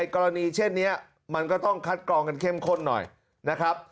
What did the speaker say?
กรณีเช่นนี้มันก็ต้องคัดกรองกันเข้มข้นหน่อยนะครับ